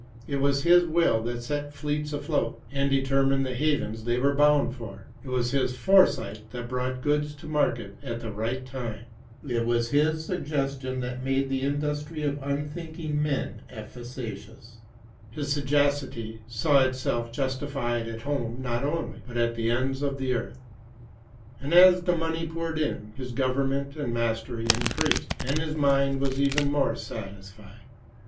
It was his will that set fleets afloat and determined the havens they were bound for; it was his foresight that brought goods to market at the right time; it was his suggestion that made the industry of unthinking men efficacious; his sagacity saw itself justified at home not only, but at the ends of the earth. And as the money poured in, his government and mastery increased, and his mind was the more satisfied.